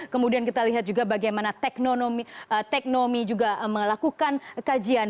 kemudian kita lihat juga bagaimana teknologi juga melakukan kajian